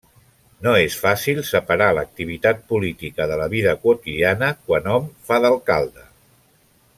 No és fàcil separar l’activitat política de la vida quotidiana quan hom fa d’alcalde.